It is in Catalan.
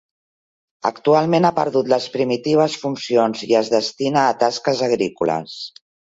Actualment ha perdut les primitives funcions i es destina a tasques agrícoles.